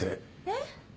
えっ？